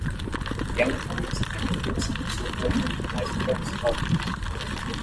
Young leaves and shoots, which look like asparagus, are used.